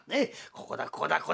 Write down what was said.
ここだここだここだ。